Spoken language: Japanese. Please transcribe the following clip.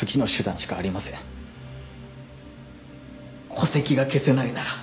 戸籍が消せないなら。